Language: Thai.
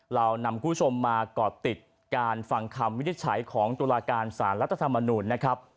เรานำคุณผู้ชมมาก่อติดการฟังคำวินิจฉัยของตุลาการสารรัฐธรรมนูญนะครับ